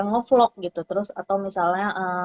ngevlog gitu terus atau misalnya